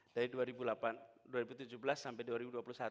dari dua ribu tujuh belas sampai dua ribu dua puluh satu